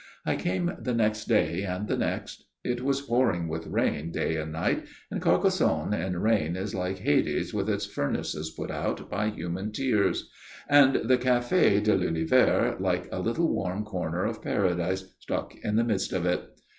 I came the next day and the next. It was pouring with rain day and night and Carcassonne in rain is like Hades with its furnaces put out by human tears and the Café de l'Univers like a little warm corner of Paradise stuck in the midst of it."